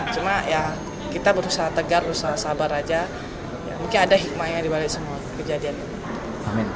cuma ya kita berusaha tegar berusaha sabar saja mungkin ada hikmah yang dibalik semua kejadian ini